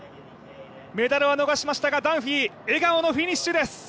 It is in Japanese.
メダルは逃しましたがダンフィー笑顔のフィニッシュです。